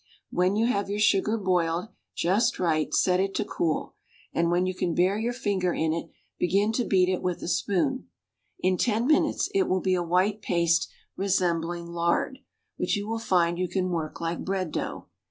When you have your sugar boiled just right set it to cool, and when you can bear your finger in it, begin to beat it with a spoon; in ten minutes it will be a white paste resembling lard, which you will find you can work like bread dough.